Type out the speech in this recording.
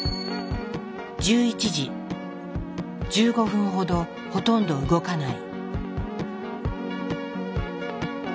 １５分ほどほとんど動かない。